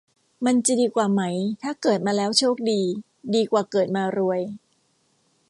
มันจะดีกว่าไหมถ้าเกิดมาแล้วโชคดี ดีกว่าเกิดมารวย